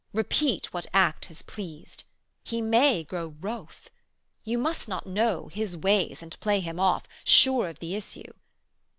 Repeat what act has pleased, He may grow wroth. You must not know, His ways, and play Him off, Sure of the issue.